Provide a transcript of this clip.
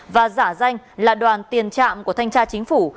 và giả danh là đoàn tiền trạm của thanh tra chính phủ